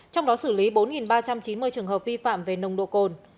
trong đó xử lý bốn ba trăm chín mươi trường hợp vi phạm về nồng độ cồn